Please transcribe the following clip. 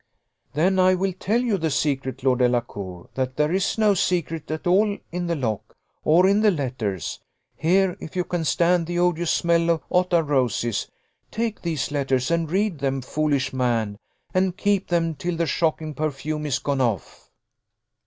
"Then I will tell you the secret, Lord Delacour that there is no secret at all in the lock, or in the letters. Here, if you can stand the odious smell of ottar of roses, take these letters and read them, foolish man; and keep them till the shocking perfume is gone off."